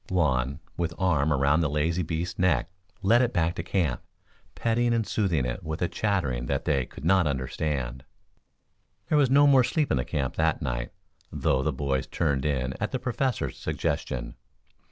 Juan, with arm around the lazy beast's neck, led it back to camp, petting and soothing it with a chattering that they could not understand. There was no more sleep in camp that night, though the boys turned in at the Professor's suggestion.